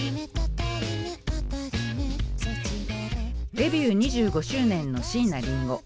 デビュー２５周年の椎名林檎。